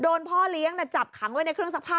พ่อเลี้ยงจับขังไว้ในเครื่องซักผ้า